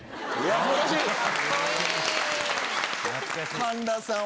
神田さん。